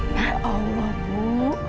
ya allah bu